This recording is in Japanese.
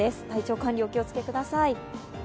体調管理、お気をつけください。